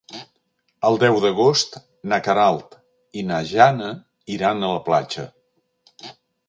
El deu d'agost na Queralt i na Jana iran a la platja.